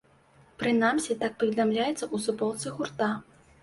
Прынамсі так паведамляецца ў суполцы гурта.